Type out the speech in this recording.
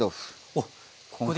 おっここで。